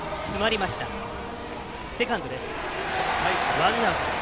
ワンアウト。